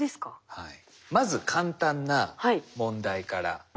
はい。